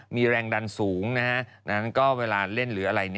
มีแรงดันสูงดังนั้นก็เวลาเล่นหรืออะไร